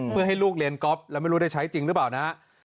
เพื่อให้ลูกเรียนก๊อฟแล้วไม่รู้ได้ใช้จริงหรือเปล่านะครับ